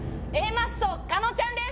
マッソ加納ちゃんです。